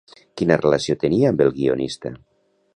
Quina relació tenia amb el guionista?